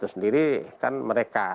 itu sendiri kan mereka